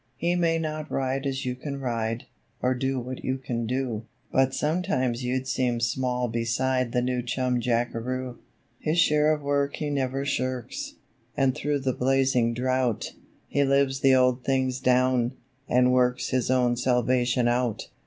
He may not ride as you can ride, Or do what you can do; But sometimes you'd seem small beside The New Chum Jackaroo. His share of work he never shirks, And through the blazing drought, He lives the old things down, and works His own salvation out.